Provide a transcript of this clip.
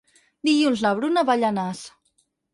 Dilluns na Bruna va a Llanars.